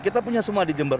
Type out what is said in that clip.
kita punya semua di jember